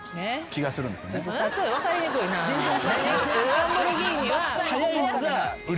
ランボルギーニは。